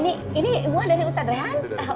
gak usah udah ini buah dari ustadz rehan